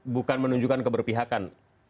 bukan menunjukkan keberpihakan